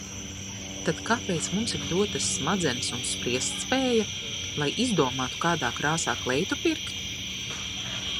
Tad kāpēc mums ir dotas smadzenes un spriestspēja? Lai izdomātu, kādā krāsā kleitu pirkt?